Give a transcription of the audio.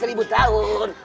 tetek seribu tahun